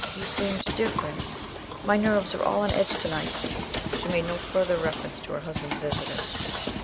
you seemed... different. My nerves are all on edge to night." She made no further reference to her husband's visitor.